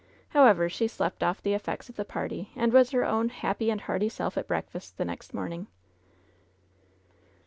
However, she slept off the effects of the party and was her own happy and hearty self at breakfast the next morning.